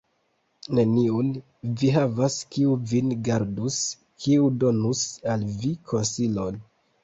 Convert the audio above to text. Neniun vi havas, kiu vin gardus, kiu donus al vi konsilon.